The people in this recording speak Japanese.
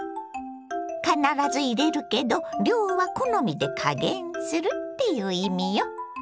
必ず入れるけど量は好みで加減するっていう意味よ。